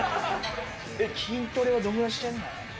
筋トレはどれぐらいしてるの？